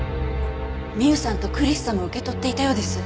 ミウさんとクリスさんも受け取っていたようです。